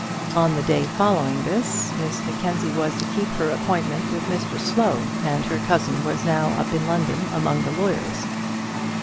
On the day following this Miss Mackenzie was to keep her appointment with Mr Slow, and her cousin was now up in London among the lawyers.